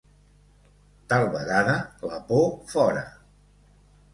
Tal vegada: la por, fora.